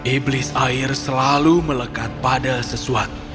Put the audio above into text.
iblis air selalu melekat pada sesuatu